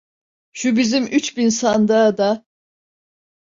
Şu bizim üç bin sandığa da…